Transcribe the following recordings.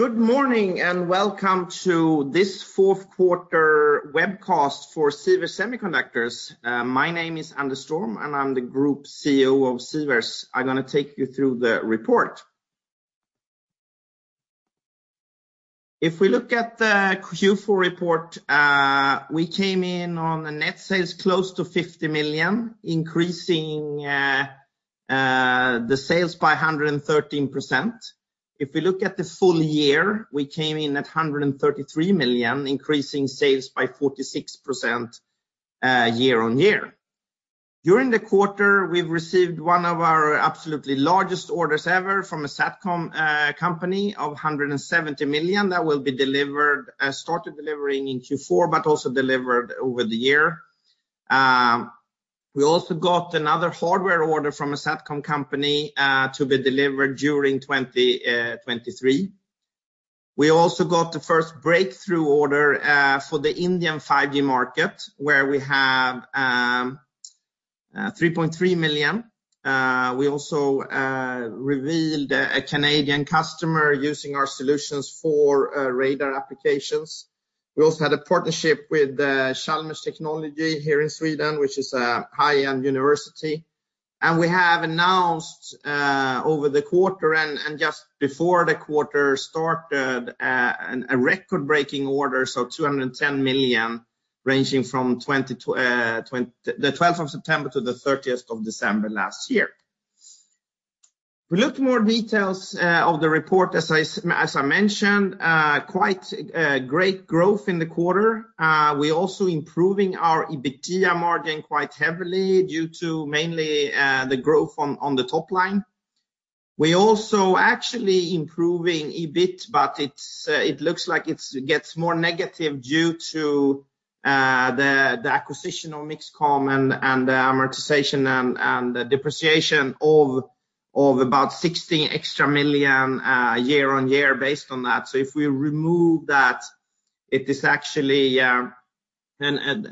Good morning, welcome to this fourth quarter webcast for Sivers Semiconductors. My name is Anders Storm, and I'm the Group CEO of Sivers. I'm gonna take you through the report. If we look at the Q4 report, we came in on a net sales close to 50 million, increasing the sales by 113%. If we look at the full year, we came in at 133 million, increasing sales by 46% year-over-year. During the quarter, we've received one of our absolutely largest orders ever from a SATCOM company of 170 million that will be delivered, started delivering in Q4, but also delivered over the year. We also got another hardware order from a SATCOM company to be delivered during 2023. We also got the first breakthrough order for the Indian 5G market, where we have 3.3 million. We also revealed a Canadian customer using our solutions for radar applications. We also had a partnership with Chalmers Technology here in Sweden, which is a high-end university. We have announced over the quarter and just before the quarter started a record-breaking order, so 210 million, ranging from the 12th of September to the 30th of December last year. We look more details of the report, as I mentioned, quite great growth in the quarter. We also improving our EBITDA margin quite heavily due to mainly the growth on the top line. We also actually improving EBIT, but it's, it looks like it's gets more negative due to the acquisition of MixComm and the amortization and the depreciation of about 16 million year-on-year based on that. If we remove that, it is actually a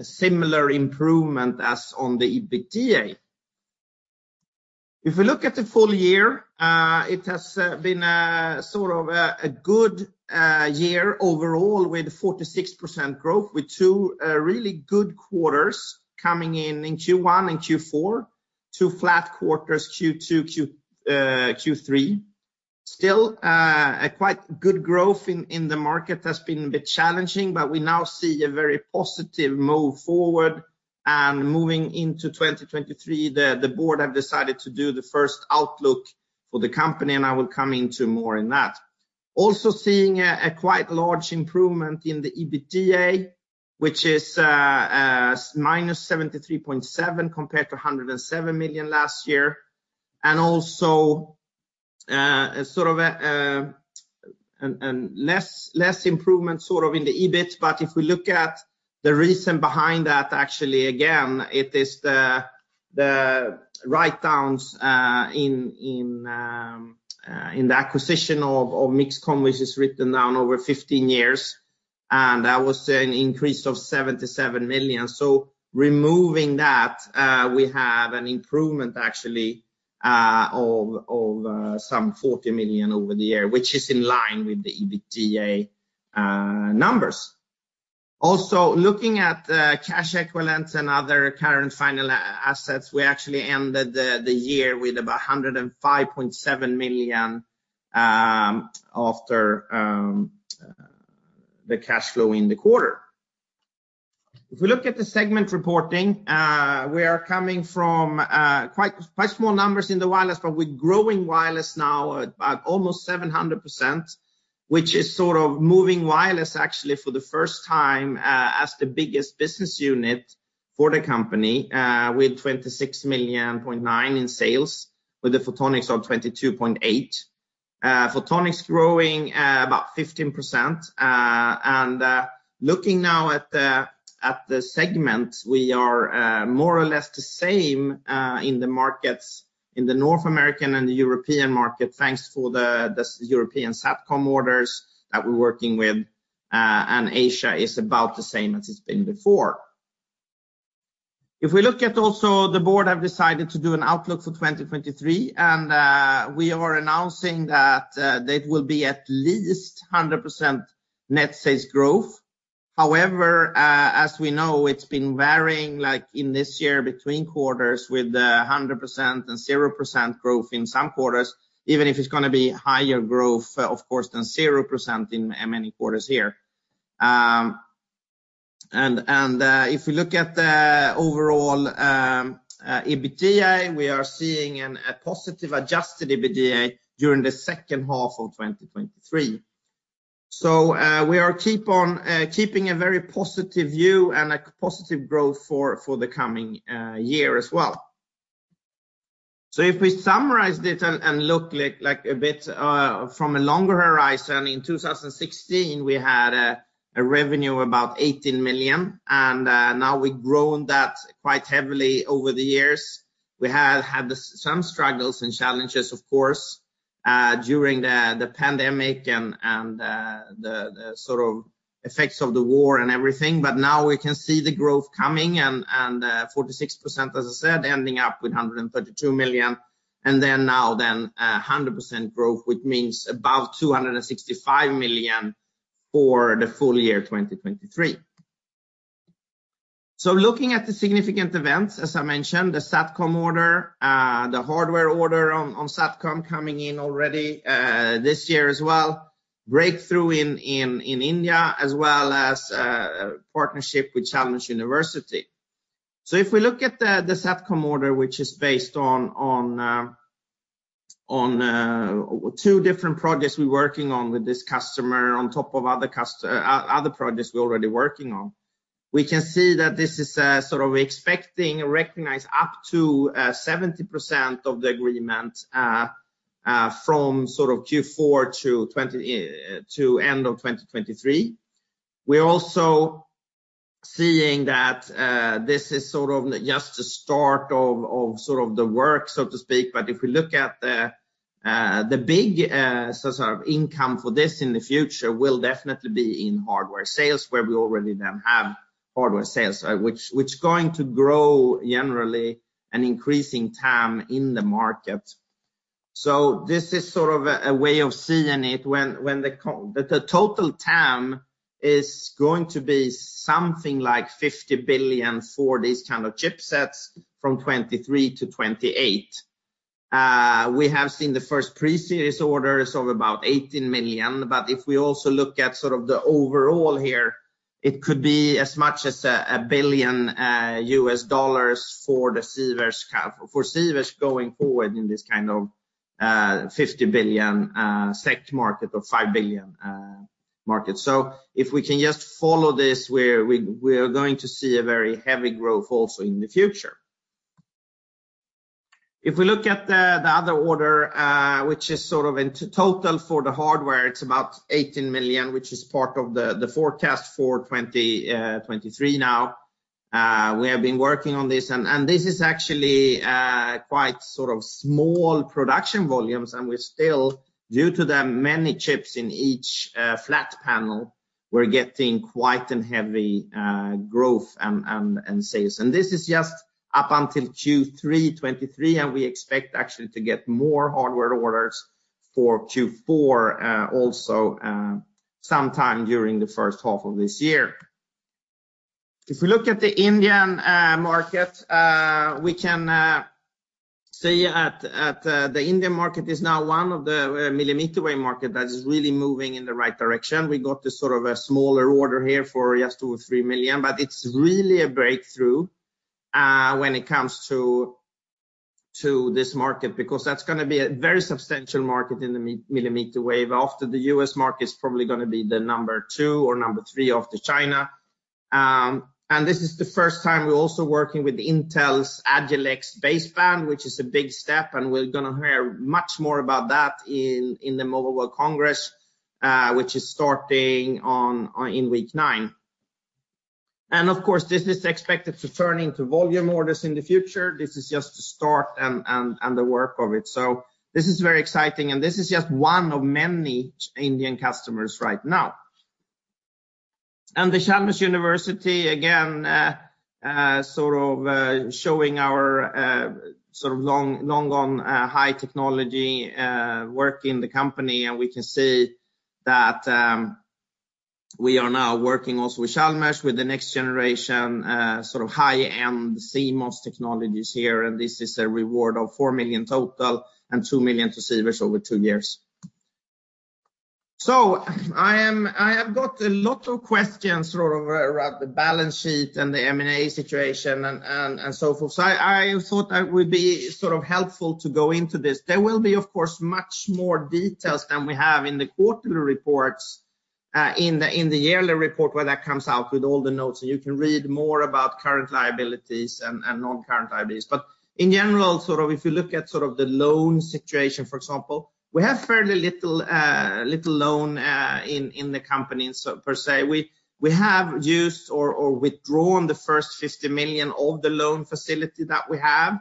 similar improvement as on the EBITDA. If we look at the full year, it has been sort of a good year overall with 46% growth, with two really good quarters coming in Q1 and Q4, two flat quarters, Q2, Q3. Still, a quite good growth in the market that's been a bit challenging, but we now see a very positive move forward. Moving into 2023, the board have decided to do the first outlook for the company, and I will come into more in that. Also seeing a quite large improvement in the EBITDA, which is -73.7 million compared to 107 million last year. Also, sort of a less improvement sort of in the EBIT. If we look at the reason behind that, actually again, it is the write-downs in the acquisition of MixComm, which is written down over 15 years, and that was an increase of 77 million. Removing that, we have an improvement actually of some 40 million over the year, which is in line with the EBITDA numbers. Looking at the cash equivalents and other current final assets, we actually ended the year with about 105.7 million after the cash flow in the quarter. If we look at the segment reporting, we are coming from quite small numbers in the wireless, but we're growing wireless now at about almost 700%, which is sort of moving wireless actually for the first time as the biggest business unit for the company with 26.9 million in sales, with the Photonics of 22.8 million. Photonics growing about 15%. Looking now at the segment, we are more or less the same in the markets, in the North American and the European market, thanks for the European SATCOM orders that we are working with, and Asia is about the same as it has been before. If we look at also the board have decided to do an outlook for 2023, and we are announcing that there will be at least 100% net sales growth. However, as we know, it has been varying like in this year between quarters with 100% and 0% growth in some quarters, even if it is going to be higher growth, of course, than 0% in many quarters here. And if we look at the overall EBITDA, we are seeing a positive adjusted EBITDA during the second half of 2023. We are keep on keeping a very positive view and a positive growth for the coming year as well. If we summarize it and look like a bit from a longer horizon, in 2016, we had a revenue of about 18 million. Now we've grown that quite heavily over the years. We have had some struggles and challenges, of course, during the pandemic and the sort of effects of the war and everything. Now we can see the growth coming and 46%, as I said, ending up with 132 million. A 100% growth, which means about 265 million for the full year 2023. Looking at the significant events, as I mentioned, the SATCOM order, the hardware order on SATCOM coming in already this year as well, breakthrough in India, as well as partnership with Chalmers University. If we look at the SATCOM order, which is based on two different projects we're working on with this customer on top of other projects we're already working on. We can see that this is sort of expecting, recognize up to 70% of the agreement from sort of Q4 to end of 2023. We're also seeing that, this is sort of just the start of sort of the work, so to speak. If we look at the big, so sort of income for this in the future will definitely be in hardware sales where we already then have hardware sales, which going to grow generally an increasing TAM in the market. This is sort of a way of seeing it when the total TAM is going to be something like 50 billion for these kind of chipsets from 2023 to 2028. We have seen the first pre-series orders of about 18 million. If we also look at sort of the overall here, it could be as much as $1 billion for Sivers' going forward in this kind of 50 billion market or 5 billion market. If we can just follow this, we are going to see a very heavy growth also in the future. If we look at the other order, which is sort of in total for the hardware, it's about 18 million, which is part of the forecast for 2023 now. We have been working on this and this is actually quite sort of small production volumes, and we're still, due to the many chips in each flat panel, we're getting quite a heavy growth and sales. This is just up until Q3 2023, and we expect actually to get more hardware orders for Q4 sometime during the first half of this year. If we look at the Indian market, we can say at the Indian market is now one of the millimeter wave market that is really moving in the right direction. We got this sort of a smaller order here for just 2 million-3 million, but it's really a breakthrough when it comes to this market, because that's gonna be a very substantial market in the millimeter wave. After the U.S. market, it's probably gonna be the number two or number three after China. This is the first time we're also working with Intel's Agilex baseband, which is a big step, we're gonna hear much more about that in the [Mobile World Congress], which is starting on in week nine. Of course, this is expected to turn into volume orders in the future. This is just the start and the work of it. This is very exciting, and this is just one of many Indian customers right now. The Chalmers University, again, sort of showing our sort of long, long gone high technology work in the company. We can see that we are now working also with Chalmers with the next generation sort of high-end CMOS technologies here. This is a reward of 4 million total and 2 million to Sivers' over two years. I have got a lot of questions sort of around the balance sheet and the M&A situation and so forth. I thought that would be sort of helpful to go into this. There will be, of course, much more details than we have in the quarterly reports, in the yearly report where that comes out with all the notes, and you can read more about current liabilities and non-current liabilities. In general, sort of if you look at sort of the loan situation, for example, we have fairly little loan in the company so per se. We have used or withdrawn the first 50 million of the loan facility that we have,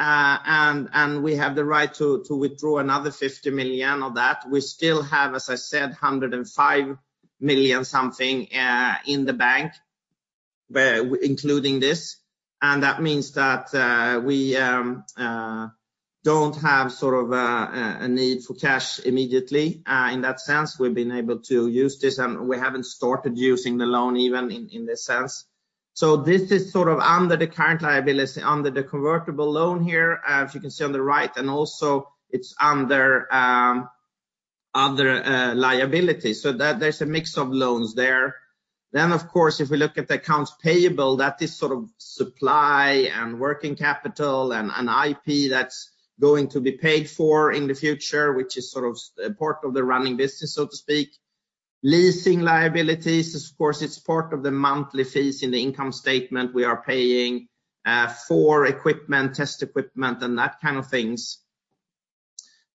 and we have the right to withdraw another 50 million of that. We still have, as I said, 105 million something in the bank, including this. That means that we don't have sort of a need for cash immediately. In that sense, we've been able to use this, and we haven't started using the loan even in this sense. This is sort of under the current liability, under the convertible loan here, as you can see on the right, and also it's under other liabilities. That there's a mix of loans there. Of course, if we look at the accounts payable, that is sort of supply and working capital and IP that's going to be paid for in the future, which is sort of part of the running business, so to speak. Leasing liabilities, of course, it's part of the monthly fees in the income statement we are paying for equipment, test equipment, and that kind of things.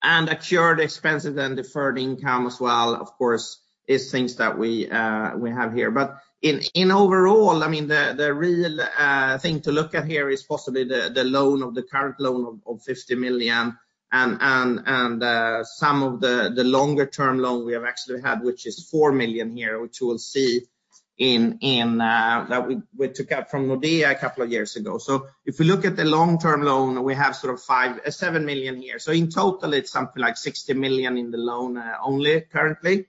Accrued expenses and deferred income as well, of course, is things that we have here. In overall, I mean, the real thing to look at here is possibly the loan of the current loan of 50 million, and some of the longer term loan we have actually had, which is 4 million here, which you will see in that we took out from Nordea a couple of years ago. If we look at the long-term loan, we have sort of 5 million-7 million here. In total it's something like 60 million in the loan only currently.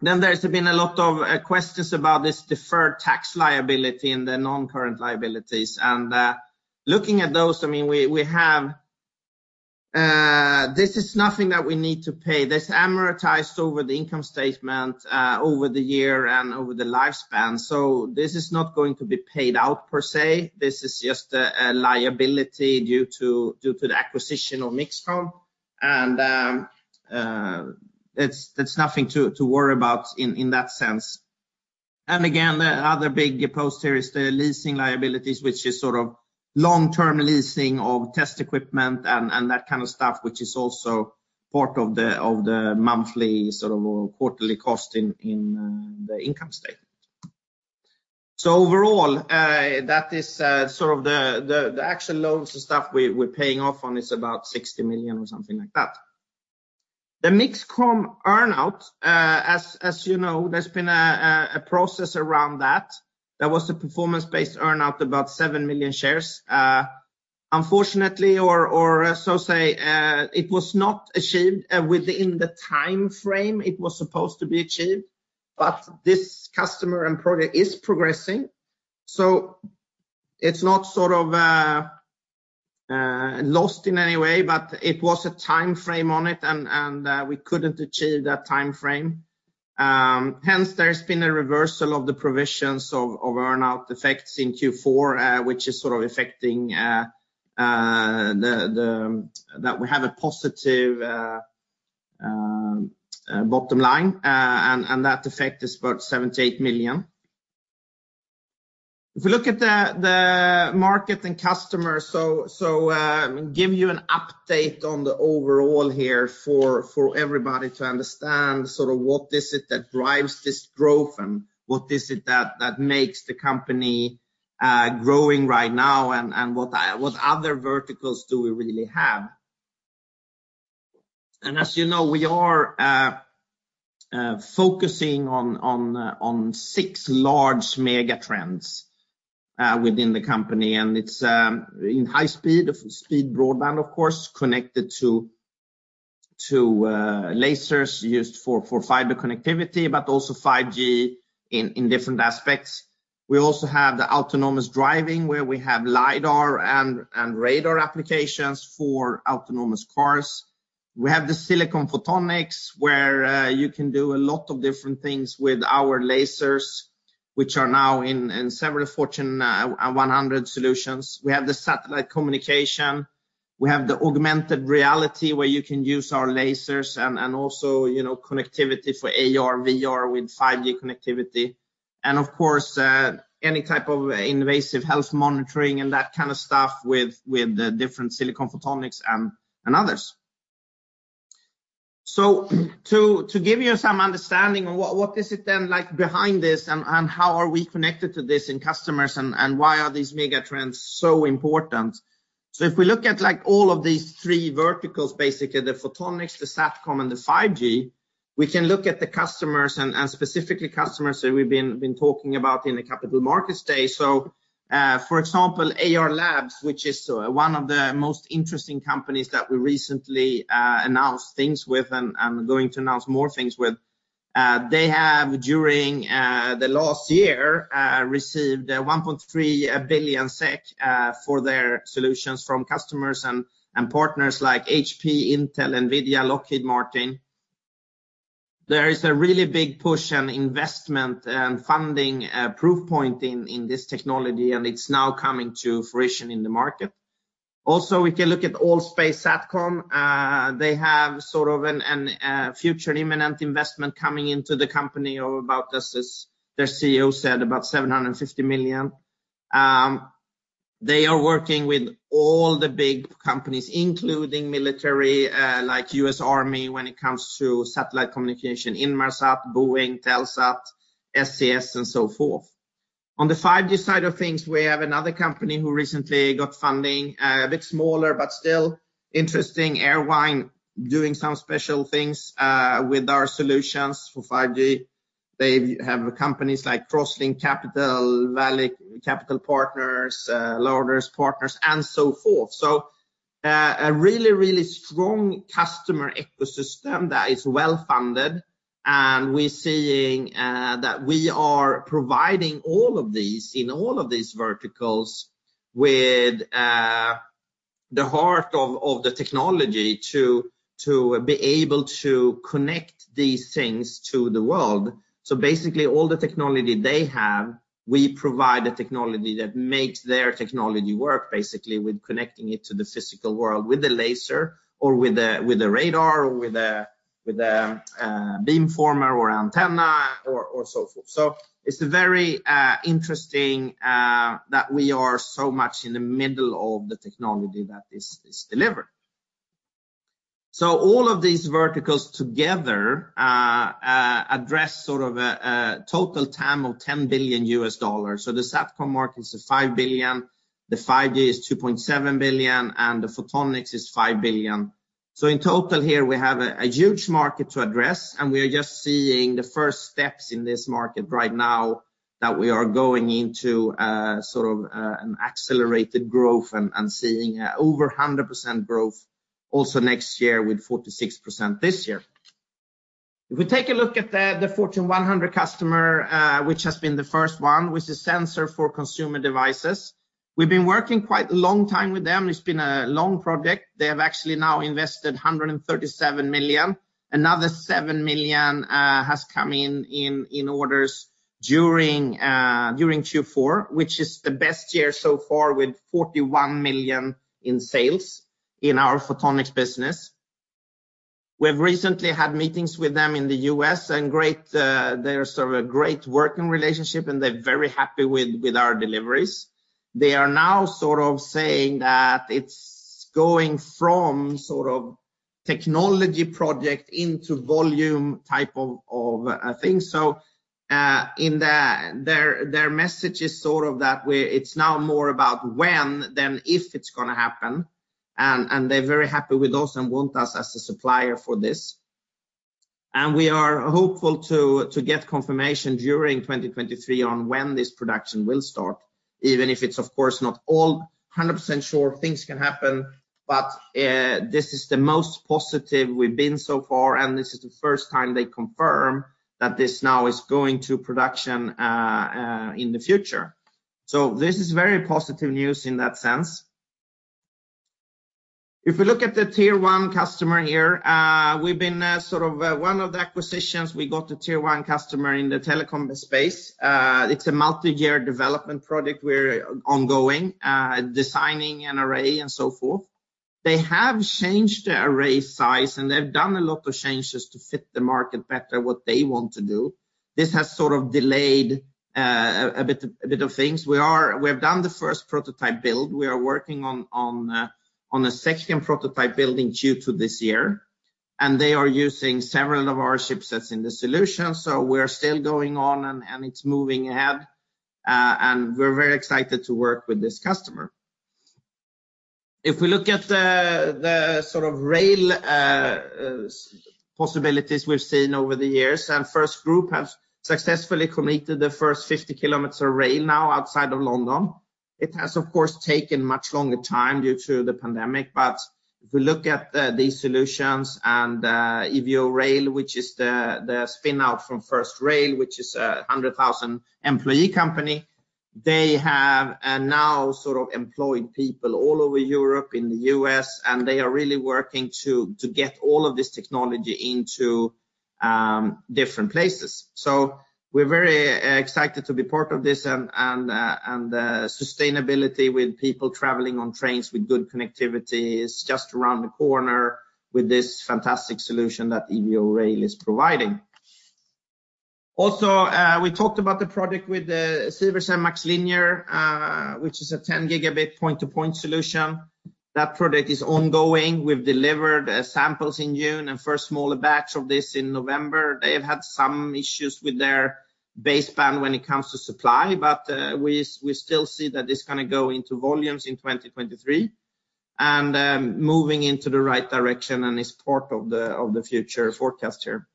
There's been a lot of questions about this deferred tax liability and the non-current liabilities. Looking at those, I mean, we have, this is nothing that we need to pay. That's amortized over the income statement over the year and over the lifespan. This is not going to be paid out per se. This is just a liability due to the acquisition of MixComm. It's nothing to worry about in that sense. Again, the other big post here is the leasing liabilities, which is sort of long-term leasing of test equipment and that kind of stuff, which is also part of the monthly sort of, or quarterly cost in the income statement. Overall, that is sort of the actual loans and stuff we're paying off on is about 60 million or something like that. The MixComm earn-out, as you know, there's been a process around that. That was a performance-based earn-out, about 7 million shares. Unfortunately or so say, it was not achieved within the timeframe it was supposed to be achieved. This customer and project is progressing, so it's not sort of lost in any way, but it was a timeframe on it and we couldn't achieve that timeframe. Hence there's been a reversal of the provisions of earn-out effects in Q4, which is sort of affecting, That we have a positive, bottom line, and that effect is about 78 million. If we look at the market and customers, so give you an update on the overall here for everybody to understand sort of what is it that drives this growth and what is it that makes the company growing right now and what other verticals do we really have. As you know, we are focusing on six large megatrends within the company. It's in high speed broadband of course, connected to lasers used for fiber connectivity, but also 5G in different aspects. We also have the autonomous driving, where we have lidar and radar applications for autonomous cars. We have the Silicon Photonics, where you can do a lot of different things with our lasers, which are now in several Fortune 100 solutions. We have the satellite communication. We have the augmented reality, where you can use our lasers and also, you know, connectivity for AR/VR with 5G connectivity. Of course, any type of invasive health monitoring and that kind of stuff with the different Silicon Photonics and others. To give you some understanding on what is it then like behind this and how are we connected to this in customers and why are these mega trends so important. If we look at like all of these three verticals, basically the Photonics, the SATCOM, and the 5G, we can look at the customers and specifically customers that we've been talking about in the capital markets day. For example, AR Labs, which is one of the most interesting companies that we recently announced things with and going to announce more things with. They have during the last year received 1.3 billion SEK for their solutions from customers and partners like HP, Intel, NVIDIA, Lockheed Martin. There is a really big push and investment and funding proof point in this technology, and it's now coming to fruition in the market. Also, if you look at Allspace.com, they have sort of a future imminent investment coming into the company of about, their CEO said, about $750 million. They are working with all the big companies, including military, like U.S. Army when it comes to satellite communication, Inmarsat, Boeing, Telesat, SES, and so forth. On the 5G side of things, we have another company who recently got funding, a bit smaller, but still interesting. Airvine doing some special things with our solutions for 5G. They have companies like Crosslink Capital, Paladin Capital Partners, [Lourdes] Partners, and so forth. A really strong customer ecosystem that is well-funded. We're seeing that we are providing all of these in all of these verticals with the heart of the technology to be able to connect these things to the world. Basically all the technology they have, we provide the technology that makes their technology work, basically with connecting it to the physical world with a laser or with a radar or with a Beamformer or antenna or so forth. It's very interesting that we are so much in the middle of the technology that is delivered. All of these verticals together address sort of a total TAM of $10 billion. The SATCOM market is $5 billion, the 5G is $2.7 billion, and the Photonics is $5 billion. In total here we have a huge market to address, and we are just seeing the first steps in this market right now that we are going into, sort of, an accelerated growth and seeing over 100% growth also next year with 46% this year. If we take a look at the Fortune 100 customer, which has been the first one, which is sensor for consumer devices, we've been working quite a long time with them. It's been a long project. They have actually now invested $137 million. Another $7 million has come in orders during Q4, which is the best year so far with $41 million in sales in our Photonics business. We've recently had meetings with them in the U.S. and great, they're sort of a great working relationship, and they're very happy with our deliveries. They are now sort of saying that it's going from sort of technology project into volume type of thing. In their message is sort of that way. It's now more about when than if it's gonna happen and they're very happy with us and want us as a supplier for this. We are hopeful to get confirmation during 2023 on when this production will start, even if it's of course not all 100% sure things can happen. This is the most positive we've been so far, and this is the first time they confirm that this now is going to production in the future. This is very positive news in that sense. If we look at the tier one customer here, we've been, sort of, one of the acquisitions, we got a tier one customer in the telecom space. It's a multi-year development product. We're ongoing, designing an array and so forth. They have changed their array size, and they've done a lot of changes to fit the market better what they want to do. This has sort of delayed a bit of things. We've done the first prototype build. We are working on a second prototype build in Q2 this year, and they are using several of our chipsets in the solution. We're still going on, and it's moving ahead, and we're very excited to work with this customer. If we look at the sort of rail possibilities we've seen over the years. FirstGroup has successfully completed the first 50 km of rail now outside of London. It has, of course, taken much longer time due to the pandemic. If we look at these solutions and Evorail, which is the spin-out from First Rail, which is a 100,000 employee company, they have now sort of employed people all over Europe, in the U.S., and they are really working to get all of this technology into different places. We're very excited to be part of this and sustainability with people traveling on trains with good connectivity is just around the corner with this fantastic solution that Evorail is providing. We talked about the project with Sivers and MaxLinear, which is a 10 Gb point-to-point solution. That project is ongoing. We've delivered samples in June and first smaller batch of this in November. They have had some issues with their baseband when it comes to supply, we still see that this is going to go into volumes in 2023 and moving into the right direction and is part of the future forecast here.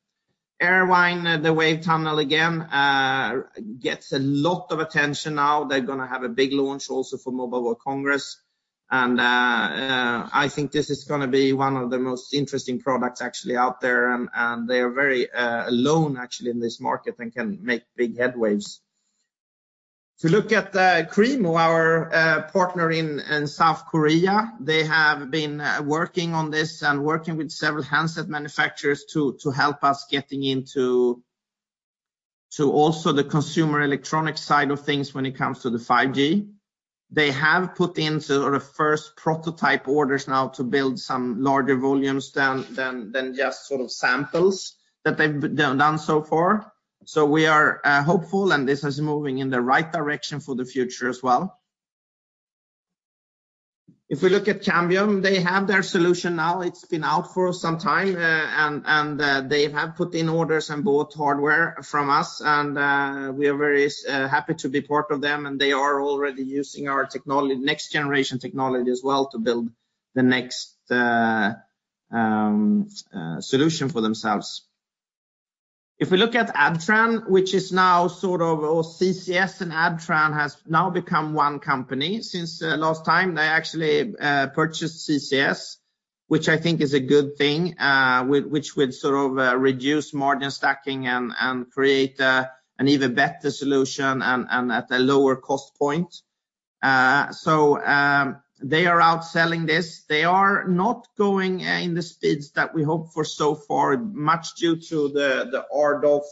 Airvine, the WaveTunnel again, gets a lot of attention now. They're going to have a big launch also for Mobile World Congress. I think this is going to be one of the most interesting products actually out there. They are very alone actually in this market and can make big headway. To look at KREEMO, our partner in South Korea, they have been working on this and working with several handset manufacturers to help us getting into also the consumer electronic side of things when it comes to the 5G. They have put in sort of first prototype orders now to build some larger volumes than just sort of samples that they've done so far. We are hopeful, and this is moving in the right direction for the future as well. If we look at Cambium, they have their solution now. It's been out for some time, and they have put in orders and bought hardware from us. We are very happy to be part of them, and they are already using our technology, next generation technology as well to build the next solution for themselves. If we look at Adtran, which is now CCS and Adtran has now become one company since last time. They actually purchased CCS, which I think is a good thing, which will sort of reduce margin stacking and create an even better solution and at a lower cost point. They are out selling this. They are not going in the speeds that we hope for so far, much due to the RDOF,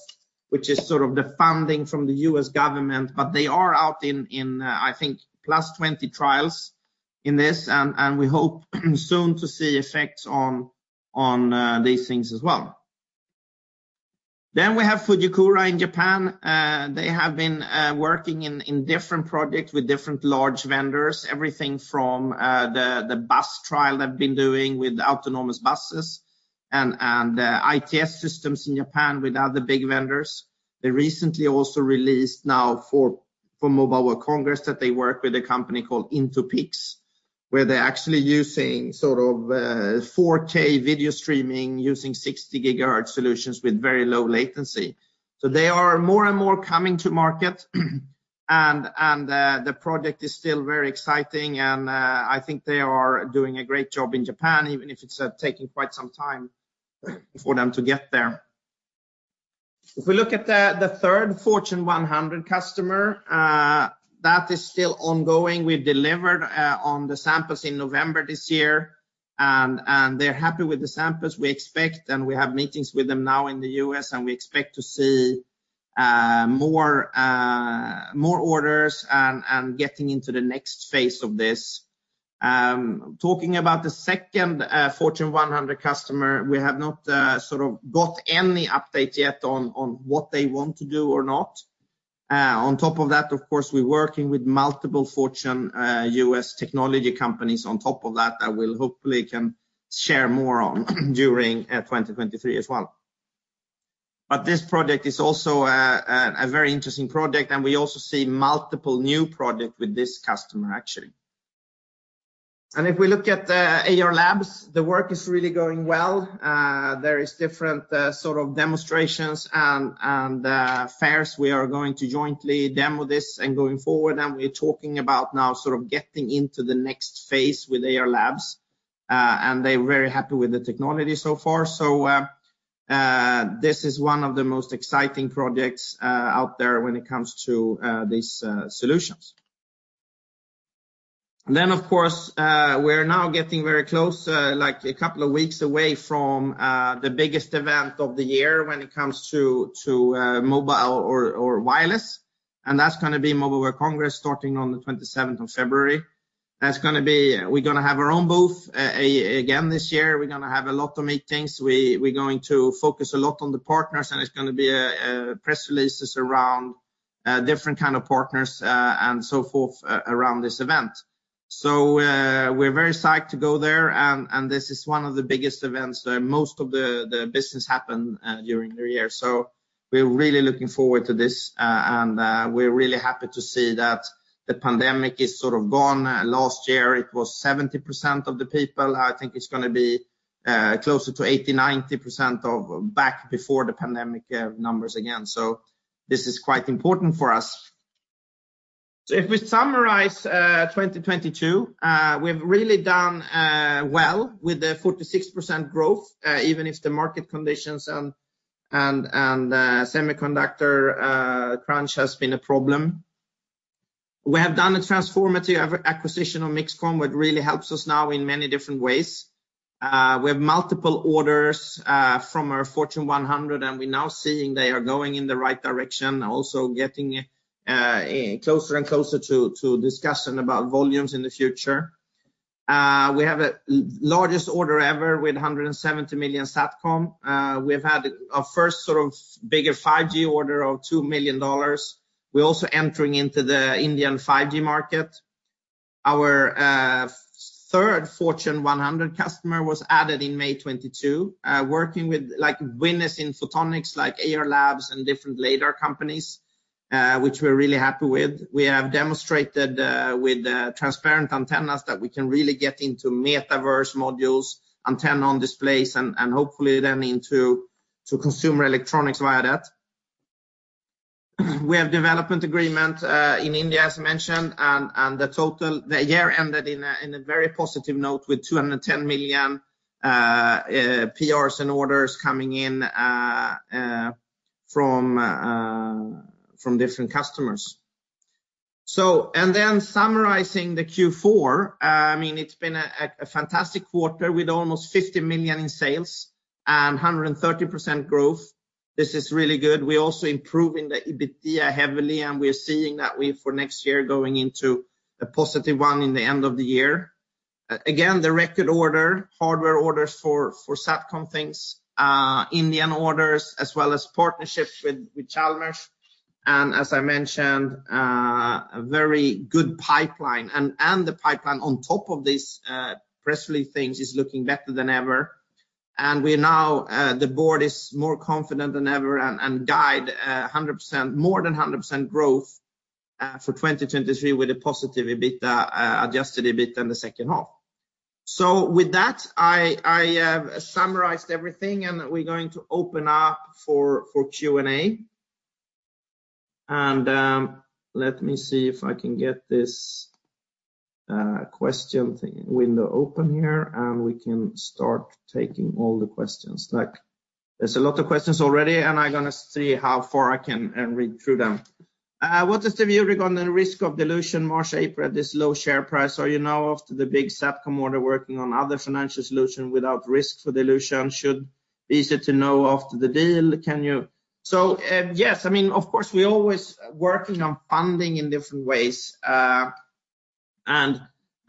which is sort of the funding from the U.S. government. They are out in, I think, +20 trials in this. We hope soon to see effects on these things as well. We have Fujikura in Japan. They have been working in different projects with different large vendors. Everything from the bus trial they've been doing with autonomous buses and ITS systems in Japan with other big vendors. They recently also released now from Mobile World Congress that they work with a company called intoPIX, where they're actually using sort of 4K video streaming using 60 GHz solutions with very low latency. They are more and more coming to market, and the project is still very exciting and I think they are doing a great job in Japan, even if it's taking quite some time for them to get there. If we look at the third Fortune 100 customer, that is still ongoing. We've delivered on the samples in November this year, and they're happy with the samples we expect, and we have meetings with them now in the U.S., and we expect to see more orders and getting into the next phase of this. Talking about the second Fortune 100 customer, we have not sort of got any update yet on what they want to do or not. On top of that, of course, we're working with multiple Fortune U.S. technology companies on top of that I will hopefully can share more on during 2023 as well. This project is also a very interesting project, and we also see multiple new project with this customer, actually. If we look at the AR labs, the work is really going well. There is different sort of demonstrations and fairs. We are going to jointly demo this and going forward, and we're talking about now sort of getting into the next phase with AR labs, and they're very happy with the technology so far. This is one of the most exciting projects out there when it comes to these solutions. Of course, we're now getting very close, like a couple of weeks away from the biggest event of the year when it comes to mobile or wireless. That's gonna be Mobile World Congress starting on the 27th of February. We're gonna have our own booth again this year. We're gonna have a lot of meetings. We're going to focus a lot on the partners, and it's gonna be press releases around different kind of partners and so forth around this event. We're very psyched to go there, and this is one of the biggest events that most of the business happen during the year. We're really looking forward to this, and we're really happy to see that the pandemic is sort of gone. Last year, it was 70% of the people. I think it's gonna be closer to 80%, 90% of back before the pandemic numbers again. This is quite important for us. If we summarize 2022, we've really done well with the 46% growth, even if the market conditions and semiconductor crunch has been a problem. We have done a transformative acquisition of MixComm, what really helps us now in many different ways. We have multiple orders from our Fortune 100, and we're now seeing they are going in the right direction, also getting closer and closer to discussion about volumes in the future. We have a largest order ever with $170 million SATCOM. We've had our first sort of bigger 5G order of $2 million. We're also entering into the Indian 5G market. Our third Fortune 100 customer was added in May 2022, working with like winners in Photonics like AR labs and different Lidar companies, which we're really happy with. We have demonstrated with the transparent antennas that we can really get into metaverse modules, antenna on displays, and hopefully then into consumer electronics via that. We have development agreement in India, as mentioned, and the year ended in a very positive note with 210 million PRs and orders coming in from different customers. Then summarizing the Q4, I mean, it's been a fantastic quarter with almost 50 million in sales and 130% growth. This is really good. We're also improving the EBITDA heavily, and we're seeing that we for next year going into a positive one in the end of the year. Again, the record order, hardware orders for SATCOM things, Indian orders, as well as partnerships with Chalmers, and as I mentioned, a very good pipeline. The pipeline on top of this press release things is looking better than ever. We now the board is more confident than ever and guide 100%, more than 100% growth for 2023 with a positive EBITDA, adjusted EBITDA in the second half. With that, I have summarized everything, and we're going to open up for Q&A. Let me see if I can get this question thing window open here, and we can start taking all the questions. Like, there's a lot of questions already, and I'm gonna see how far I can read through them. What is the view regarding risk of dilution March, April at this low share price? Are you now after the big SATCOM order working on other financial solution without risk for dilution? Should be easy to know after the deal. Yes. I mean, of course, we're always working on funding in different ways. And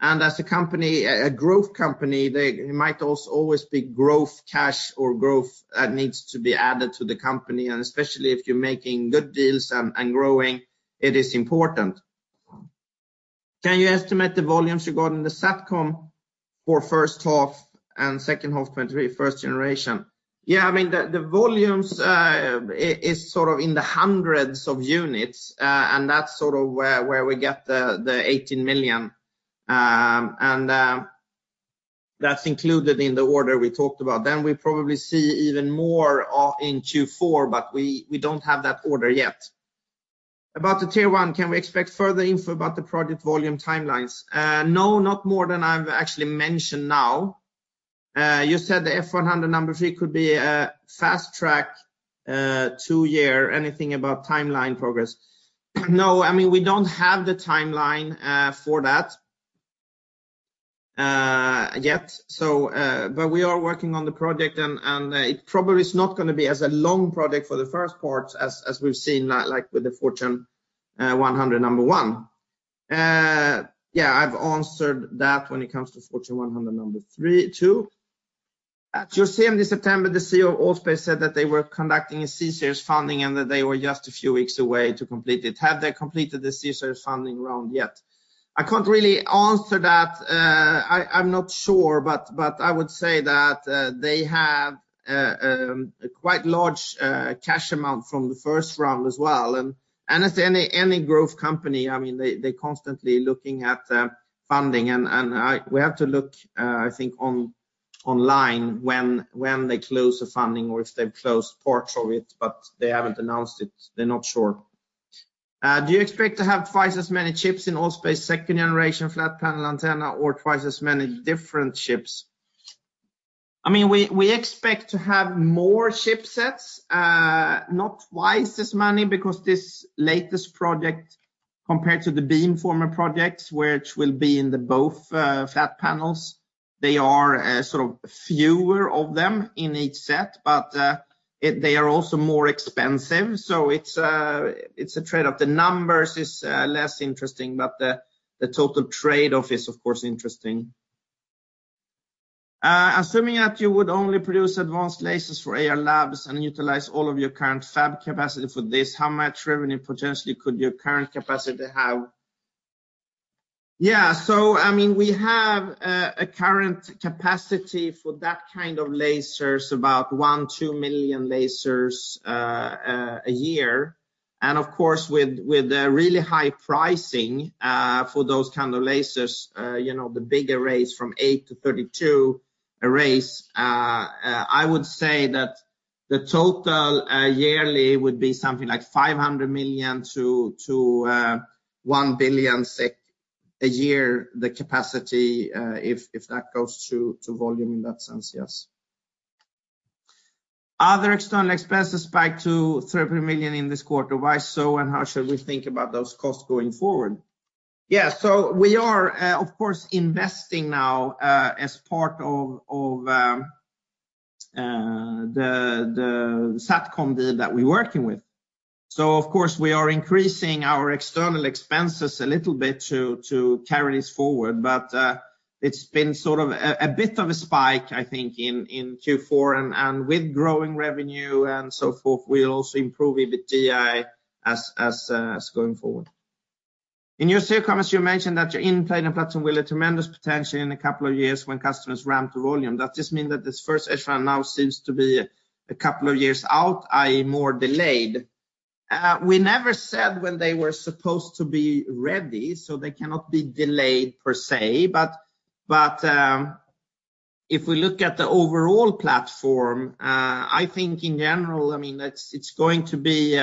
as a company, a growth company, there might also always be growth cash or growth that needs to be added to the company. Especially if you're making good deals and growing, it is important. Can you estimate the volumes you got in the SATCOM for first half and second half 2023, first generation? Yeah, I mean, the volumes is sort of in the hundreds of units, and that's sort of where we get the 18 million. And that's included in the order we talked about. We probably see even more of in Q4, but we don't have that order yet. About the tier one, can we expect further info about the project volume timelines? No, not more than I've actually mentioned now. You said the F100 number three could be a fast track, two-year. Anything about timeline progress? No, I mean, we don't have the timeline for that yet. But we are working on the project and it probably is not gonna be as a long project for the first part as we've seen like with the Fortune 100 number one. Yeah, I've answered that when it comes to fortune 100 number three, two. At your CM this September, the CEO of Allspace said that they were conducting a Series C funding and that they were just a few weeks away to complete it. Have they completed the Series C funding round yet? I can't really answer that. I'm not sure, but I would say that they have a quite large cash amount from the first round as well. As any growth company, I mean, they constantly looking at funding, and we have to look, I think online when they close the funding or if they've closed parts of it, but they haven't announced it. They're not sure. Do you expect to have twice as many chips in Allspace second generation flat panel antenna or twice as many different chips? I mean, we expect to have more chipsets, not twice as many because this latest project compared to the beamformer projects, which will be in the both flat panels, they are sort of fewer of them in each set, but they are also more expensive. It's a trade-off. The numbers is less interesting, but the total trade-off is of course interesting. Assuming that you would only produce advanced lasers for AR labs and utilize all of your current fab capacity for this, how much revenue potentially could your current capacity have? I mean, we have a current capacity for that kind of lasers, about one to two million lasers a year. Of course, with the really high pricing for those kind of lasers, you know, the big arrays from eight to 32 arrays, I would say that the total yearly would be something like 500 million to 1 billion SEK a year, the capacity, if that goes through to volume in that sense, yes. Are there external expenses back to 30 million in this quarter? Why so, and how should we think about those costs going forward? We are, of course investing now, as part of the SATCOM deal that we're working with. Of course, we are increasing our external expenses a little bit to carry this forward. It's been sort of a bit of a spike, I think, in Q4 and with growing revenue and so forth, we'll also improve EBITDA as going forward. In your share comments, you mentioned that your InP and platform will have tremendous potential in a couple of years when customers ramp to volume. Does this mean that this first S-run now seems to be a couple of years out, i.e., more delayed? We never said when they were supposed to be ready, they cannot be delayed per se. If we look at the overall platform, I think in general, it's going to be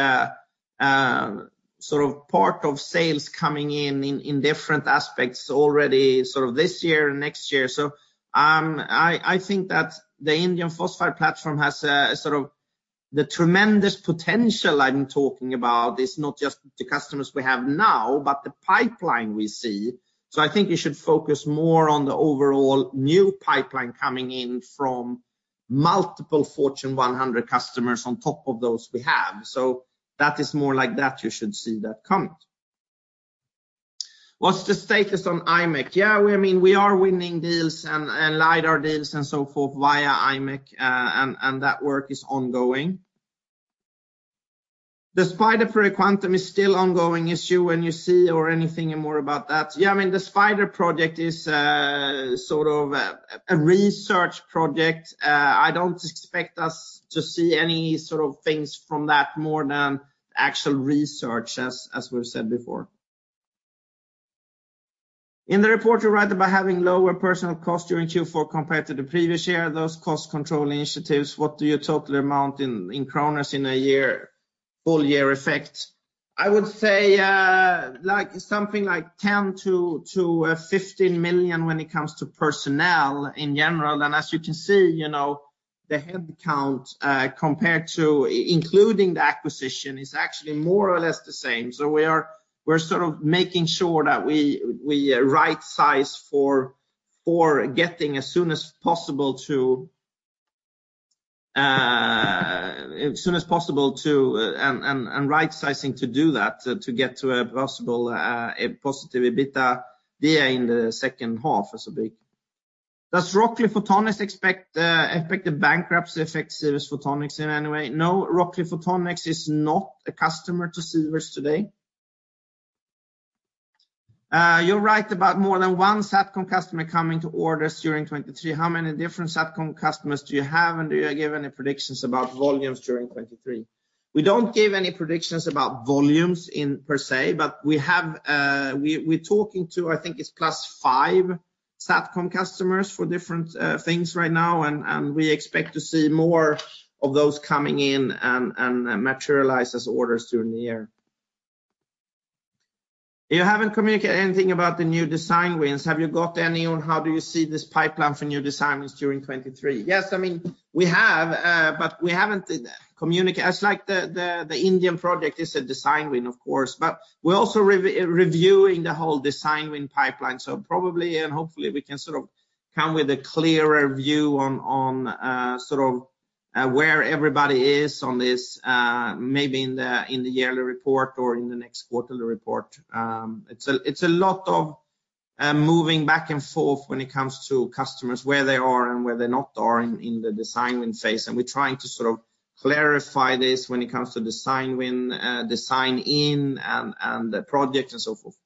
sort of part of sales coming in different aspects already this year and next year. I think that the indium phosphide platform has the tremendous potential I'm talking about is not just the customers we have now, but the pipeline we see. I think you should focus more on the overall new pipeline coming in from multiple Fortune 100 customers on top of those we have. That is more like that you should see that coming. What's the status on [IMEC]? We are winning deals and LiDAR deals and so forth via [IMEC], and that work is ongoing. The [SPIDAR] for the quantum is still ongoing issue when you see or anything more about that? Yeah, I mean, the [SPIDAR] project is, sort of a research project. I don't expect us to see any sort of things from that more than actual research as we've said before. In the report, you write about having lower personal cost during Q4 compared to the previous year, those cost control initiatives. What do you totally amount in kronas in a year, full year effect? I would say, like something like 10 million-15 million when it comes to personnel in general. As you can see, you know, the head count, compared to including the acquisition is actually more or less the same. We're sort of making sure that we right-size for getting as soon as possible to and right-sizing to do that, to get to a possible a positive EBITDA there in the second half as a big. Does Rockley Photonics expect the bankruptcy affect Sivers Photonics in any way? No. Rockley Photonics is not a customer to Sivers today. You're right about more than one SATCOM customer coming to orders during 2023. How many different SATCOM customers do you have, and do you give any predictions about volumes during 2023? We don't give any predictions about volumes in per se, but we have, we're talking to, I think, it's +5 SATCOM customers for different things right now. We expect to see more of those coming in and materialize as orders during the year. You haven't communicated anything about the new design wins. Have you got any on how do you see this pipeline for new designs during 2023? Yes. I mean, we have, but we haven't. It's like the Indian project is a design win, of course, but we're also reviewing the whole design win pipeline. Probably and hopefully we can sort of come with a clearer view on sort of where everybody is on this, maybe in the yearly report or in the next quarterly report. It's a lot of moving back and forth when it comes to customers, where they are and where they're not are in the design win phase. We're trying to sort of clarify this when it comes to design win, design in and the project and so forth.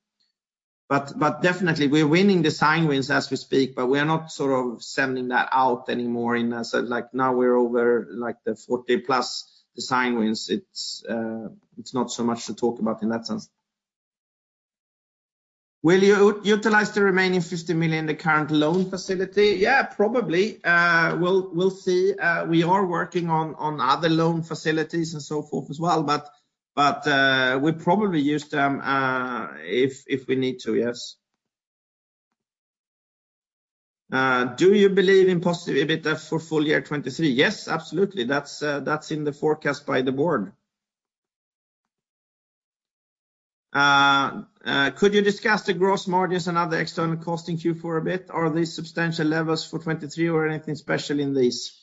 But definitely we're winning design wins as we speak, but we are not sort of sending that out anymore. Like now we're over like the 40+ design wins. It's not so much to talk about in that sense. Will you utilize the remaining 50 million in the current loan facility? Yeah, probably. We'll see. We are working on other loan facilities and so forth as well. But we'll probably use them if we need to, yes. Do you believe in positive EBITDA for full year 2023? Yes, absolutely. That's in the forecast by the board. Could you discuss the gross margins and other external costing queue for a bit? Are these substantial levels for 2023 or anything special in these?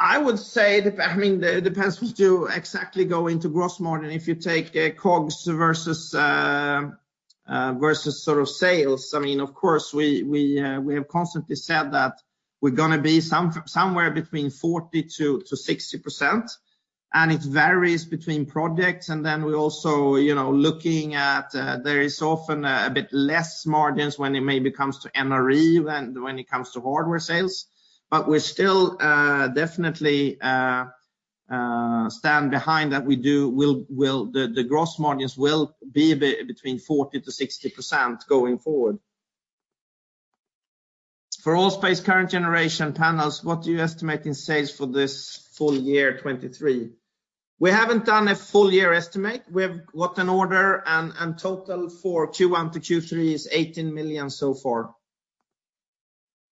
I mean, it depends what you exactly go into gross margin. If you take COGS versus sort of sales, I mean, of course, we have constantly said that we're gonna be somewhere between 40%-60%, and it varies between projects. We also, you know, looking at, there is often a bit less margins when it maybe comes to NRE than when it comes to hardware sales. We're still definitely stand behind that we will, the gross margins will be between 40%-60% going forward. For Allspace current generation panels, what do you estimate in sales for this full year 2023? We haven't done a full year estimate. We have what an order and total for Q1 to Q3 is 18 million so far.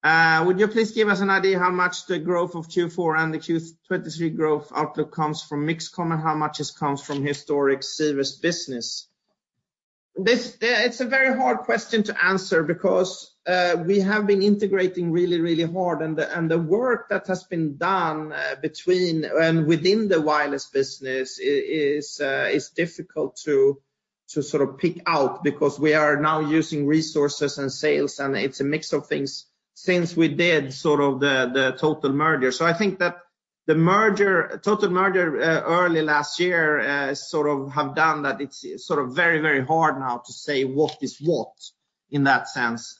Would you please give us an idea how much the growth of Q4 and the 2023 growth outlook comes from MixComm and how much it comes from historic Sivers business? This, it's a very hard question to answer because we have been integrating really, really hard. The work that has been done between and within the wireless business is difficult to sort of pick out because we are now using resources and sales, and it's a mix of things since we did sort of the total merger. I think that the merger, total merger, early last year, sort of have done that. It's sort of very, very hard now to say what is what in that sense.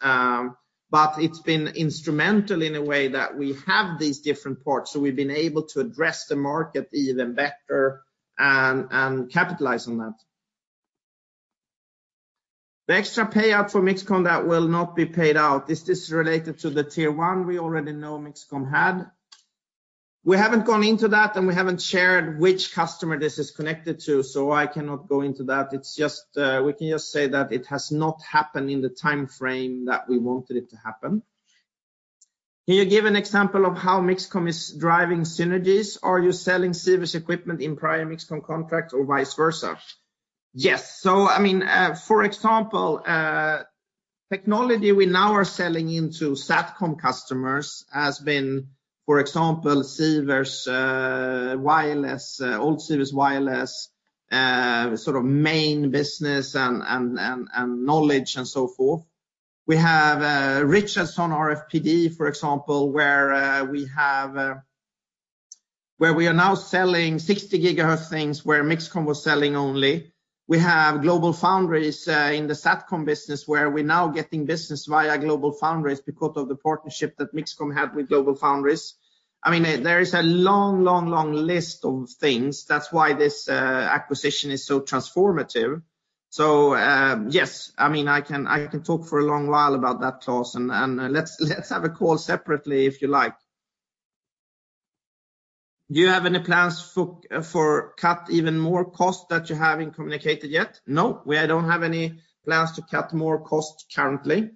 It's been instrumental in a way that we have these different parts, so we've been able to address the market even better and capitalize on that. The extra payout for MixComm that will not be paid out, is this related to the tier one we already know MixComm had? We haven't gone into that, and we haven't shared which customer this is connected to. I cannot go into that. It's just, we can just say that it has not happened in the timeframe that we wanted it to happen. Can you give an example of how MixComm is driving synergies? Are you selling Sivers equipment in prior MixComm contracts or vice versa? Yes. I mean, for example, technology we now are selling into SATCOM customers has been, for example, Sivers wireless, old Sivers wireless, sort of main business and knowledge and so forth. We have Richardson RFPD, for example, where we have where we are now selling 60 GHz things where MixComm was selling only. We have GlobalFoundries in the SATCOM business, where we're now getting business via GlobalFoundries because of the partnership that MixComm had with GlobalFoundries. I mean, there is a long list of things. That's why this acquisition is so transformative. Yes. I mean, I can talk for a long while about that, Claus, let's have a call separately if you like. Do you have any plans for cut even more costs that you haven't communicated yet? No, we don't have any plans to cut more costs currently.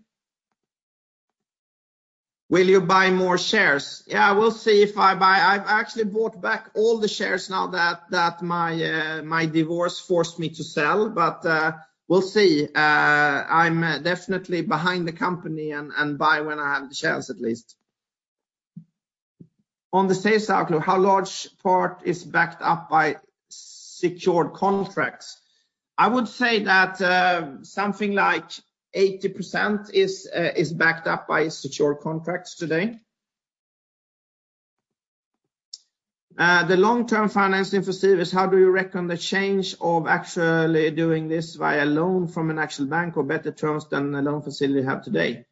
Will you buy more shares? Yeah, we'll see if I buy. I've actually bought back all the shares now that my divorce forced me to sell, but we'll see. I'm definitely behind the company and buy when I have the chance at least. On the sales outlook, how large part is backed up by secured contracts? I would say that something like 80% is backed up by secured contracts today. The long-term financing facility, how do you reckon the change of actually doing this via loan from an actual bank or better terms than the loan facility have today?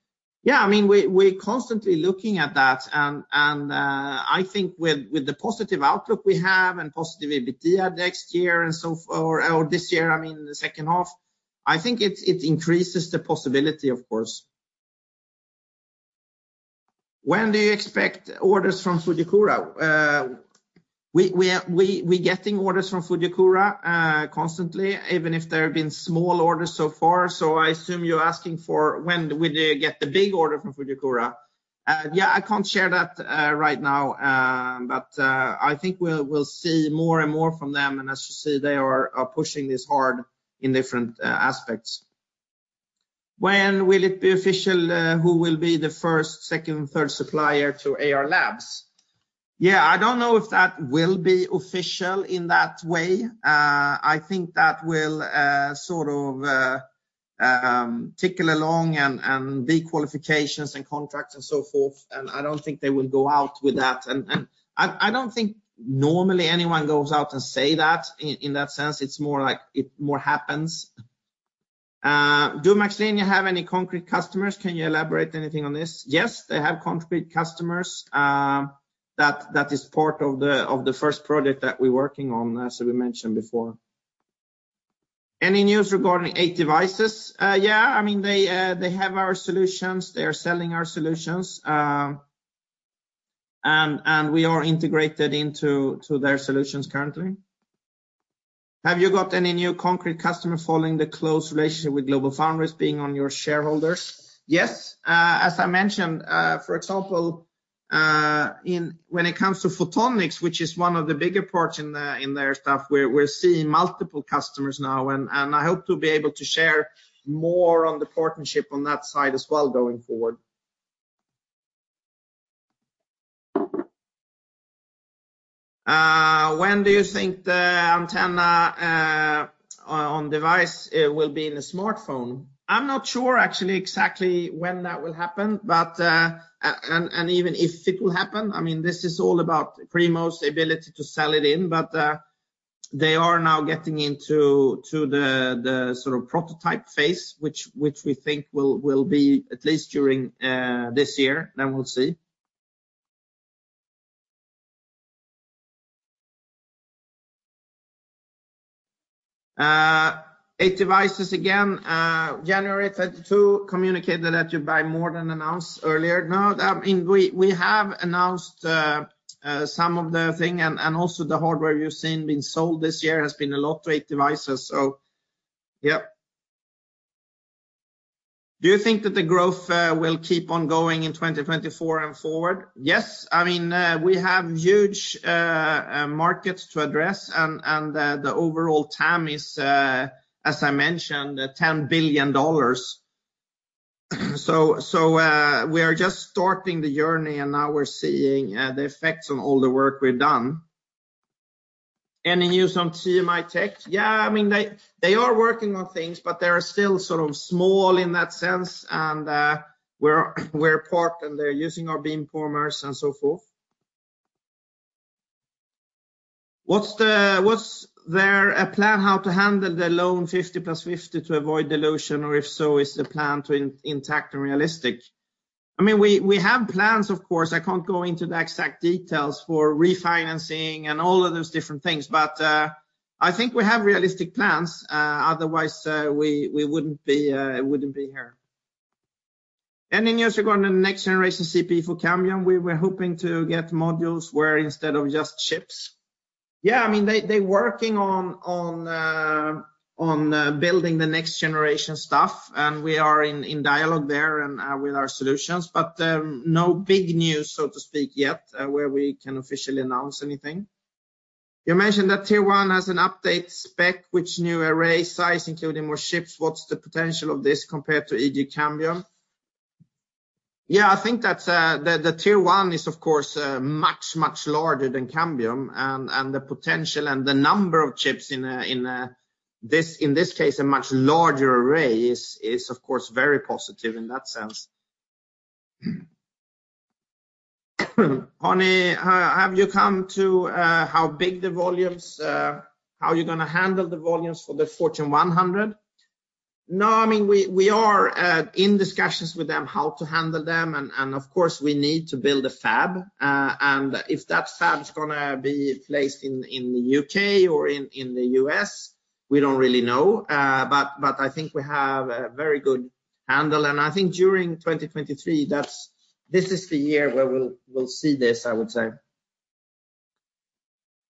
I mean, we're constantly looking at that, and I think with the positive outlook we have and positive EBITDA next year or this year, I mean, the second half, I think it increases the possibility, of course. When do you expect orders from Fujikura? We getting orders from Fujikura constantly, even if there have been small orders so far. I assume you're asking for when do we get the big order from Fujikura. Yeah, I can't share that right now. I think we'll see more and more from them. As you see, they are pushing this hard in different aspects. When will it be official, who will be the first, second, third supplier to AR Labs? Yeah, I don't know if that will be official in that way. I think that will sort of tickle along and be qualifications and contracts and so forth. I don't think they will go out with that. I don't think normally anyone goes out and say that in that sense. It's more like it more happens. Do MaxLinear have any concrete customers? Can you elaborate anything on this? Yes, they have concrete customers. That is part of the first project that we're working on, as we mentioned before. Any news regarding 8devices? Yeah. I mean, they have our solutions. They are selling our solutions. We are integrated into their solutions currently. Have you got any new concrete customer following the close relationship with GlobalFoundries being on your shareholders? Yes. Uh, as I mentioned, uh, for example, uh, in-- when it comes to photonics, which is one of the bigger parts in, uh, in their stuff, we're, we're seeing multiple customers now, and, and I hope to be able to share more on the partnership on that side as well going forward. Uh, when do you think the antenna, uh, on device, uh, will be in a smartphone? I'm not sure actually exactly when that will happen, but, uh, a-and, and even if it will happen, I mean, this is all about Primo's ability to sell it in. But, uh, they are now getting into to the, the sort of prototype phase, which, which we think will, will be at least during, uh, this year, then we'll see. 8devices again, January [30 to] communicated that you buy more than announced earlier. I mean, we have announced some of the thing and also the hardware you've seen being sold this year has been a lot to 8devices. Yeah. Do you think that the growth will keep on going in 2024 and forward? Yes. I mean, we have huge markets to address and the overall TAM is, as I mentioned, $10 billion. We are just starting the journey, and now we're seeing the effects on all the work we've done. Any news on TMI Tech? Yeah, I mean, they are working on things, but they are still sort of small in that sense and we're part and they're using our beamformers and so forth. Was there a plan how to handle the loan 50+50 to avoid dilution, or if so, is the plan intact and realistic? I mean, we have plans, of course. I can't go into the exact details for refinancing and all of those different things, but, I think we have realistic plans. Otherwise, we wouldn't be here. Any news regarding the next generation CP for Cambium? We were hoping to get modules where instead of just chips. Yeah, I mean, they working on building the next generation stuff, and we are in dialogue there and with our solutions, but no big news, so to speak, yet, where we can officially announce anything. You mentioned that tier one has an update spec which new array size, including more chips. What's the potential of this compared to EG Cambium? I think that the tier one is of course much, much larger than Cambium and the potential and the number of chips in a, in this case, a much larger array is of course very positive in that sense. Hanna, have you come to how big the volumes, how you gonna handle the volumes for the Fortune 100? I mean, we are in discussions with them how to handle them and of course we need to build a fab. If that fab's gonna be placed in the U.K. or in the U.S., we don't really know. But I think we have a very good handle. I think during 2023, that's this is the year where we'll see this, I would say.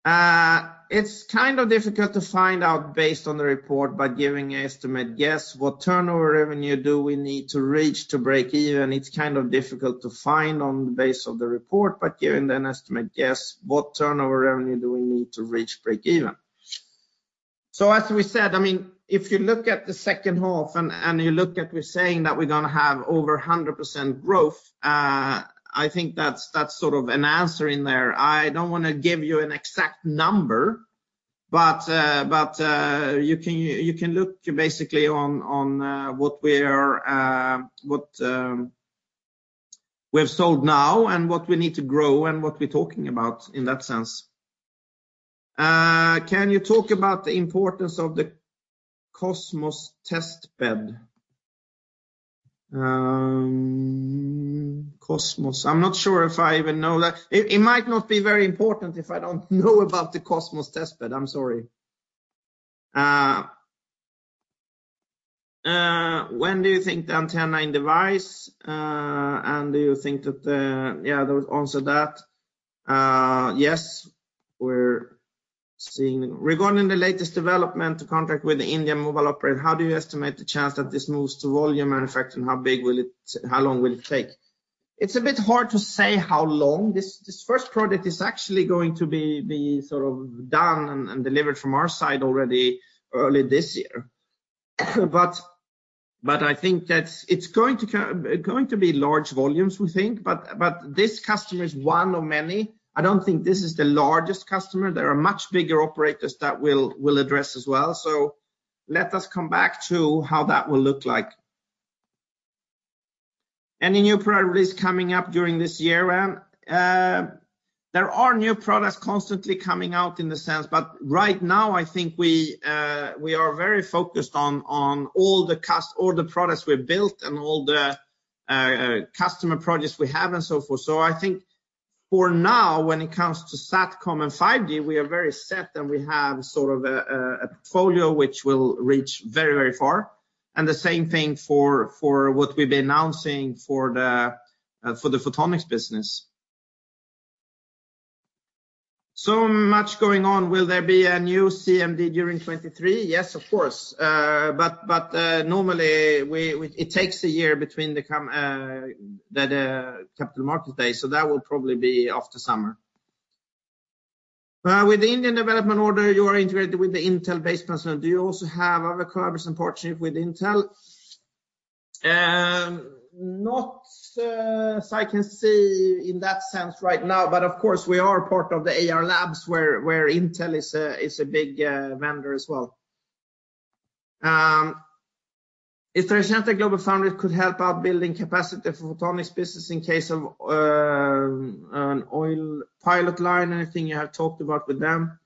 It's kind of difficult to find out based on the report by giving an estimate guess what turnover revenue do we need to reach to break even? It's kind of difficult to find on the base of the report, but giving an estimate guess what turnover revenue do we need to reach break even? As we said, I mean, if you look at the second half and you look at we're saying that we're gonna have over 100% growth, I think that's sort of an answer in there. I don't wanna give you an exact number, but you can look basically on what we are, what we've sold now and what we need to grow and what we're talking about in that sense. Can you talk about the importance of the QoSMOS test bed? QoSMOS. I'm not sure if I even know that. It, it might not be very important if I don't know about the QoSMOS test bed. I'm sorry. When do you think the antenna in device, and do you think that the... Yeah, that would answer that. Yes. Regarding the latest development contract with the Indian mobile operator, how do you estimate the chance that this moves to volume manufacturing? How long will it take? It's a bit hard to say how long. This first project is actually going to be sort of done and delivered from our side already early this year. I think that it's going to be large volumes, we think. This customer is one of many. I don't think this is the largest customer. There are much bigger operators that we'll address as well. Let us come back to how that will look like. Any new product release coming up during this year, Ram? There are new products constantly coming out in the sense, but right now I think we are very focused on all the products we've built and all the customer projects we have and so forth. I think for now, when it comes to SATCOM and 5G, we are very set and we have sort of a portfolio which will reach very, very far. The same thing for what we've been announcing for the Photonics business. Much going on. Will there be a new CMD during 2023? Yes, of course. Normally it takes a year between the capital market day, so that will probably be after summer. With the Indian development order, you are integrated with the Intel-based personnel. Do you also have other collaborations and partnerships with Intel? Not as I can see in that sense right now, but of course we are part of the AR labs where Intel is a big vendor as well. If there's a chance that GlobalFoundries could help out building capacity for Photonics business in case of on pilot line, anything you have talked about with them?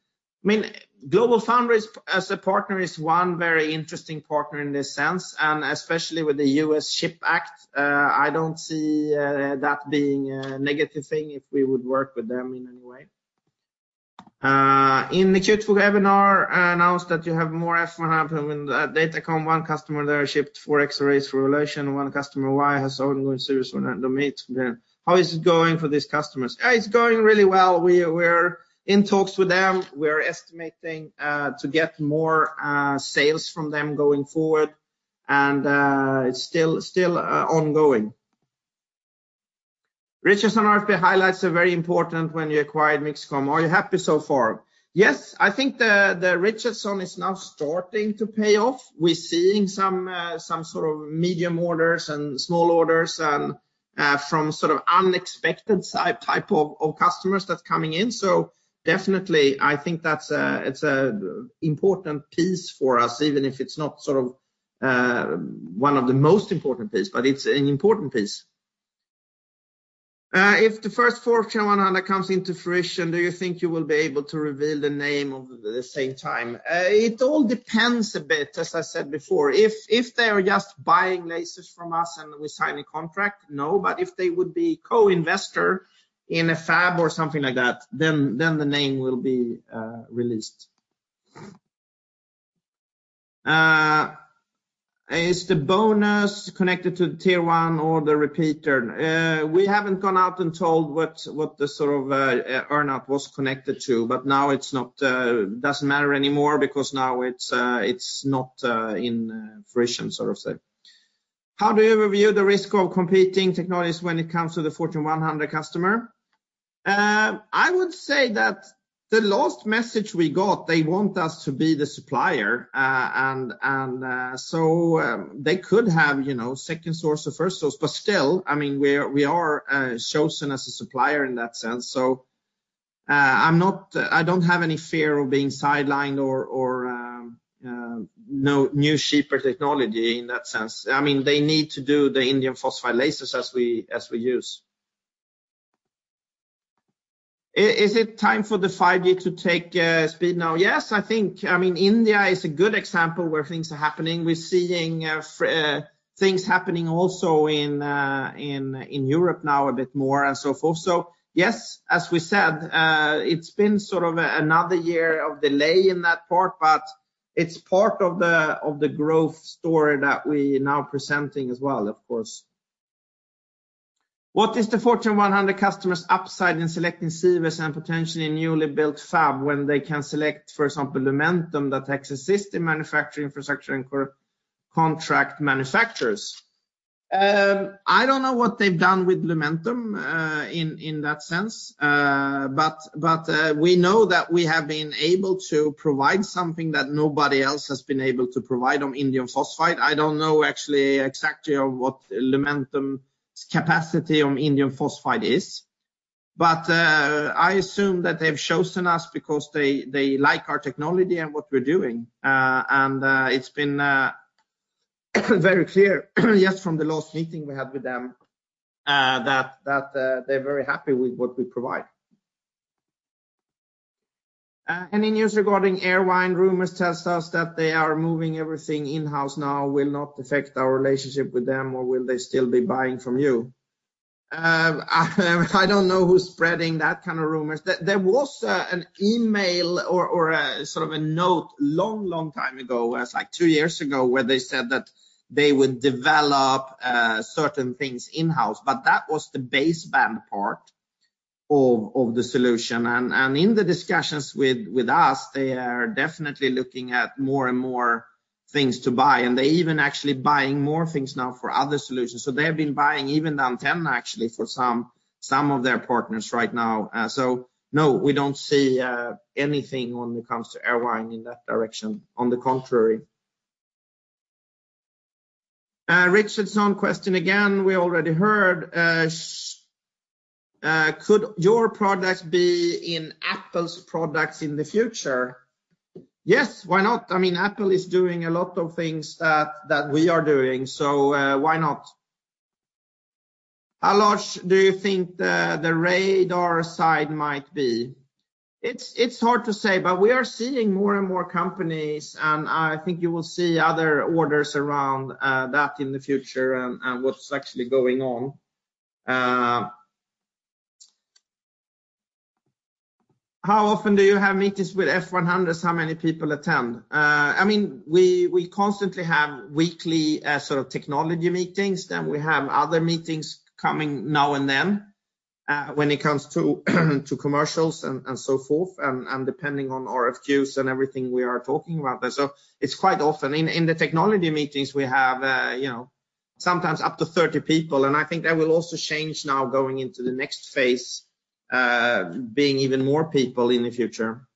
I mean, GlobalFoundries as a partner is one very interesting partner in this sense, especially with the U.S. Chip Act, I don't see that being a negative thing if we would work with them in any way. In the Q2 webinar announced that you have more F100 in Datacom, one customer there shipped 4x arrays for relation, one customer Y has ongoing Series 1 and domain. How is it going for these customers? It's going really well. We're in talks with them. We're estimating to get more sales from them going forward. It's still ongoing. Richardson RFPD highlights are very important when you acquired MixComm. Are you happy so far? Yes. I think the Richardson is now starting to pay off. We're seeing some sort of medium orders and small orders and from sort of unexpected side type of customers that's coming in. Definitely I think that's an important piece for us, even if it's not sort of one of the most important piece, but it's an important piece. If the first Fortune 100 comes into fruition, do you think you will be able to reveal the name of the same time? It all depends a bit, as I said before. If, if they are just buying lasers from us and we sign a contract, no. But if they would be co-investor in a fab or something like that, then the name will be released. Is the bonus connected to tier one or the repeater? We haven't gone out and told what the sort of, earn out was connected to, but now it's not, doesn't matter anymore because now it's not, in fruition, sort of say. How do you review the risk of competing technologies when it comes to the Fortune 100 customer? I would say that the last message we got, they want us to be the supplier. They could have, you know, second source or first source, but still, I mean, we are chosen as a supplier in that sense. So, I don't have any fear of being sidelined or, no new cheaper technology in that sense. I mean, they need to do the indium phosphide lasers as we use. Is it time for the 5G to take speed now? Yes, I think, I mean, India is a good example where things are happening. We're seeing things happening also in Europe now a bit more and so forth. Yes, as we said, it's been sort of another year of delay in that part, but it's part of the growth story that we now presenting as well, of course. What is the Fortune 100 customers' upside in selecting Sivers and potentially a newly built fab when they can select, for example, Lumentum that exists in manufacturing infrastructure and contract manufacturers? I don't know what they've done with Lumentum in that sense. We know that we have been able to provide something that nobody else has been able to provide on indium phosphide. I don't know actually exactly on what Lumentum's capacity on indium phosphide is. I assume that they've chosen us because they like our technology and what we're doing. It's been very clear just from the last meeting we had with them, that they're very happy with what we provide. Any news regarding Airvine? Rumors tells us that they are moving everything in-house now, will not affect our relationship with them or will they still be buying from you? I don't know who's spreading that kind of rumors. There was an email or sort of a note long time ago, it was like two years ago, where they said that they would develop certain things in-house. That was the baseband part of the solution. In the discussions with us, they are definitely looking at more and more things to buy. They even actually buying more things now for other solutions. They have been buying even the antenna actually for some of their partners right now. No, we don't see anything when it comes to Airvine in that direction. On the contrary. Richardson question again, we already heard. Could your products be in Apple's products in the future? Yes, why not? I mean, Apple is doing a lot of things that we are doing. Why not? How large do you think the radar side might be? It's hard to say, but we are seeing more and more companies. I think you will see other orders around that in the future and what's actually going on. How often do you have meetings with F100s? How many people attend? I mean, we constantly have weekly sort of technology meetings. We have other meetings coming now and then when it comes to commercials and so forth and depending on RFQs and everything we are talking about. It's quite often. In the technology meetings we have, you know, sometimes up to 30 people, and I think that will also change now going into the next phase, being even more people in the future.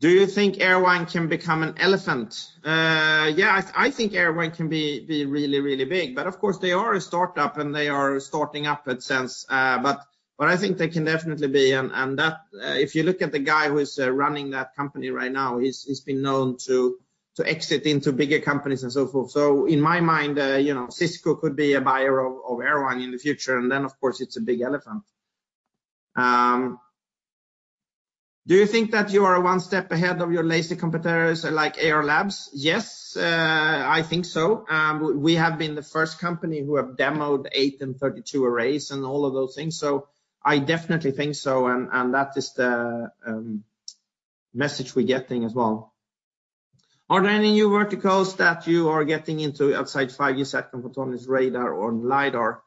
Do you think Airvine can become an elephant? Yeah, I think Airvine can be really, really big. Of course they are a startup and they are starting up it since. What I think they can definitely be and that... If you look at the guy who is running that company right now, he's been known to exit into bigger companies and so forth. In my mind, you know, Cisco could be a buyer of Airvine in the future, and then of course it's a big elephant. Do you think that you are one step ahead of your lazy competitors like AR Labs? Yes, I think so. We have been the first company who have demoed eight and 32 arrays and all of those things. I definitely think so, and that is the message we're getting as well. Are there any new verticals that you are getting into outside 5G SATCOM photonics radar or LiDAR?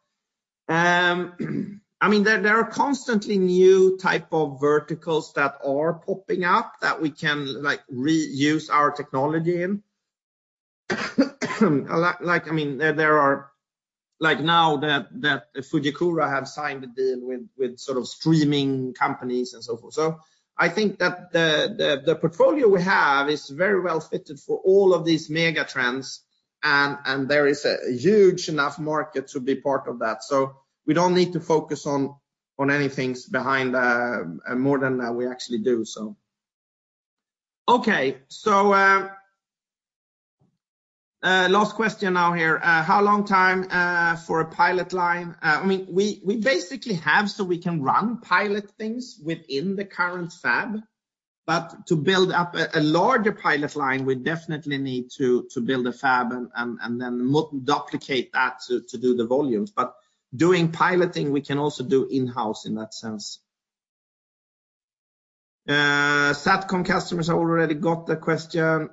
I mean, there are constantly new type of verticals that are popping up that we can, like, reuse our technology in. Like, I mean, there are. Like now that Fujikura have signed a deal with sort of streaming companies and so forth. I think that the portfolio we have is very well fitted for all of these mega trends and there is a huge enough market to be part of that. We don't need to focus on any things behind, more than we actually do so. Okay. Last question now here. How long time for a pilot line? I mean, we basically have so we can run pilot things within the current fab. To build up a larger pilot line, we definitely need to build a fab and then duplicate that to do the volumes. Doing piloting, we can also do in-house in that sense. SATCOM customers, I already got the question.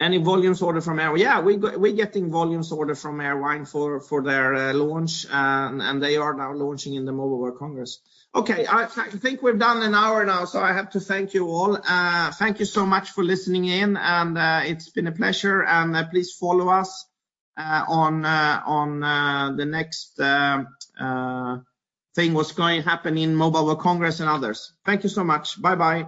Yeah, we're getting volumes order from Airvine for their launch. They are now launching in the Mobile World Congress. Okay. I think we've done an hour now, so I have to thank you all. Thank you so much for listening in, and it's been a pleasure. Please follow us on the next thing what's going happen in Mobile World Congress and others. Thank you so much. Bye-bye.